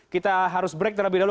kita harus break terlebih dahulu